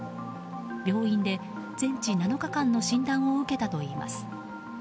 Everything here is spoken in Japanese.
病院で全治７日間の診断を受けたといいます。